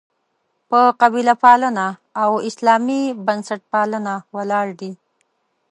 په «قبیله پالنه» او «اسلامي بنسټپالنه» ولاړ دي.